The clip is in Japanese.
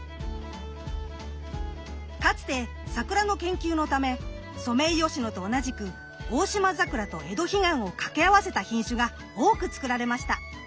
かつてサクラの研究のためソメイヨシノと同じくオオシマザクラとエドヒガンを掛け合わせた品種が多く作られました。